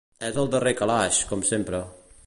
És al darrer calaix, com sempre.